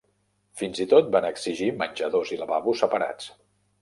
Fins i tot van exigir menjadors i lavabos separats.